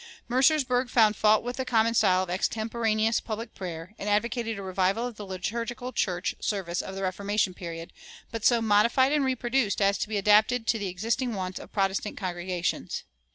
"Mercersburg found fault with the common style of extemporaneous public prayer, and advocated a revival of the liturgical church service of the Reformation period, but so modified and reproduced as to be adapted to the existing wants of Protestant congregations."